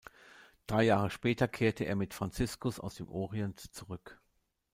Drei Jahre später kehrte er mit Franziskus aus dem Orient zurück.